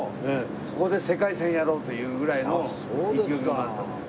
そこで世界戦やろうというぐらいの意気込みもあったんですよ。